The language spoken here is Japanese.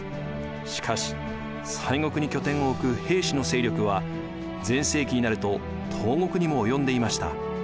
しかし西国に拠点を置く平氏の勢力は全盛期になると東国にも及んでいました。